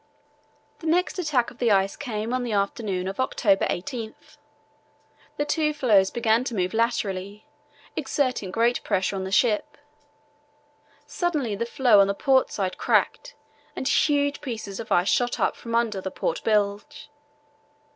The next attack of the ice came on the afternoon of October 18th. The two floes began to move laterally, exerting great pressure on the ship. Suddenly the floe on the port side cracked and huge pieces of ice shot up from under the port bilge.